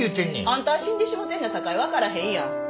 あんた死んでしもうてんやさかい分からへんやん。